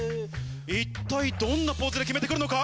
一体どんなポーズで決めて来るのか？